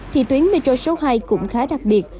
thì tuyến metro số hai cũng khá đặc biệt